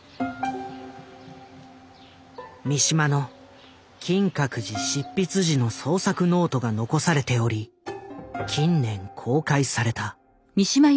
三島の「金閣寺」執筆時の創作ノートが残されており近年公開された。